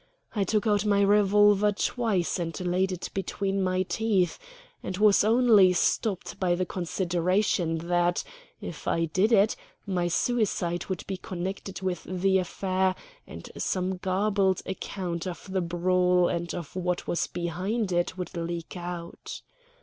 I took out my revolver twice and laid it between my teeth, and was only stopped by the consideration that, if I did it, my suicide would be connected with the affair, and some garbled account of the brawl and of what was behind it would leak out.